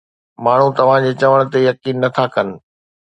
ماڻهو توهان جي چوڻ تي يقين نه ٿا ڪن.